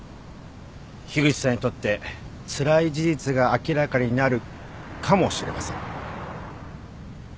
樋口さんにとってつらい事実が明らかになるかもしれません。